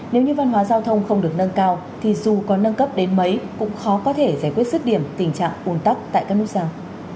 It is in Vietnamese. nếu như văn hóa giao thông không được nâng cao thì dù có nâng cấp đến mấy cũng khó có thể giải quyết sức điểm tình trạng ủn tắc tại các nút giao